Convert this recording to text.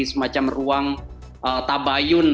semacam ruang tabayun